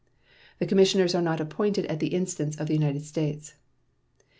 These commissioners are not appointed at the instance of the United States.